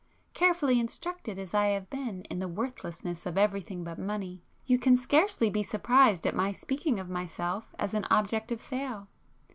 Carefully instructed as I have been in the worthlessness of everything but money, you can scarcely be surprised at my speaking of myself as an object of sale.